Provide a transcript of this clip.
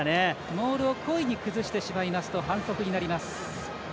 モールを故意に崩してしまいますと反則になります。